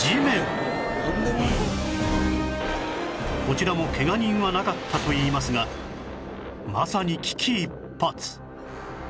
こちらもケガ人はなかったといいますがまさに危機一髪！